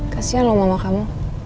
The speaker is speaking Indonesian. kasian loh mama kamu